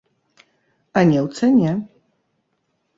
А не ў цане!